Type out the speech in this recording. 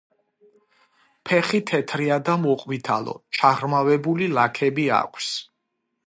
ფეხი თეთრია და მოყვითალო ჩაღრმავებული ლაქები აქვს.